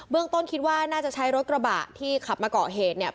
ต้นคิดว่าน่าจะใช้รถกระบะที่ขับมาเกาะเหตุเนี่ย